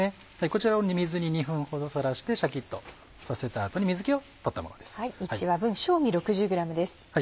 こちらを水に２分ほどさらしてシャキっとさせた後に水気を取ったものです。